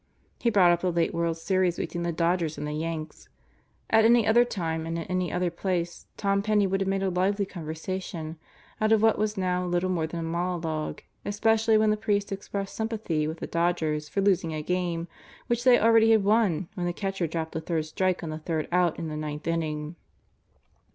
He brought up the late World Series between the Dodgers and the Yanks. At any other time and in any other place, Tom Penney would have made a lively conversation out of what was now little more than a monologue, especially when the priest ex pressed sympathy with the Dodgers for losing a game which they already had won when the catcher dropped the third strike on the third out in the ninth inning.